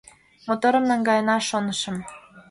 Моторым наҥгаена, шонышым